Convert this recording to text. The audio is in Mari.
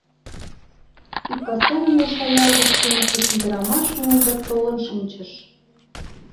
Ик кастене Нерша ял гыч туныктышо ӱдырамаш нунын дек толын шинчыш.